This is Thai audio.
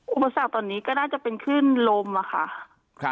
อุปสรรคตอนนี้ก็น่าจะเป็นขึ้นลมอะค่ะ